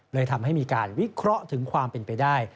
เลยทำให้มีการวิเคราะห์ถึงความเป็นไปได้